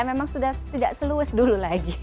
memang sudah tidak seluas dulu lagi